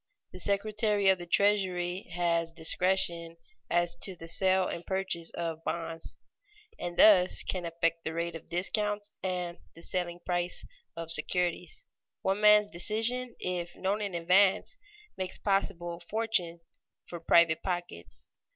The Secretary of the Treasury has discretion as to the sale and purchase of bonds, and thus can affect the rate of discount and the selling price of securities. One man's decision, if known in advance, makes possible fortunes for private pockets.